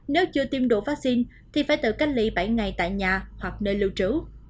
nếu chưa tiêm đủ vaccine thì phải tự cách ly bảy ngày tại nhà hoặc nơi lưu trú